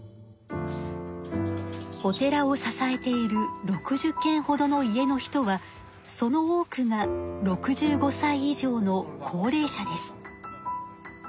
お寺を支えている６０けんほどの家の人はその多くが６５歳以上の高齢者です。